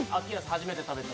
初めて食べて？